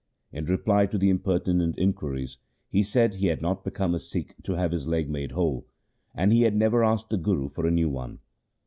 In reply to the impertinent inquiries he said he had not become a Sikh to have his leg made whole, and he had never asked the Guru for a new one.